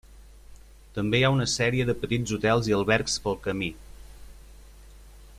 També hi ha una sèrie de petits hotels i albergs pel camí.